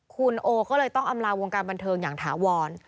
คุณโอก็เลยต้องอำลาวงการบันเทิงอย่างถาวร